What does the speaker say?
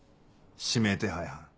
指名手配犯。